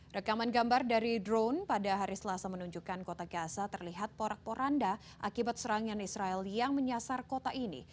rekaman gambar dari drone pada hari selasa menunjukkan kota gaza terlihat porak poranda akibat serangan israel yang menyasar kota ini